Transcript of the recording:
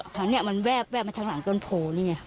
ทางนี้มันแวบมาทางหลังเกินโผล่อย่างนี้